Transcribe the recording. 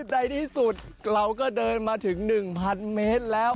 ในที่สุดเราก็เดินมาถึง๑๐๐เมตรแล้ว